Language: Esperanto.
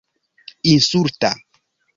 insulta